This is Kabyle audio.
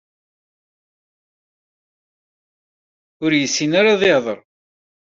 Ur yessin ara ad ihder.